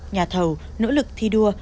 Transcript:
nhà thầu nỗ lực thi đua